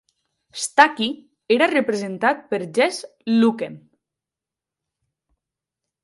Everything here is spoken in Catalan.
Staky era representat per Jesse Luken.